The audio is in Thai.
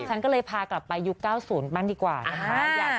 ฉันก็เลยพากลับไปยุค๙๐บ้างดีกว่านะคะ